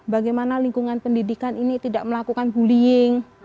bagaimana lingkungan pendidikan ini tidak melakukan bullying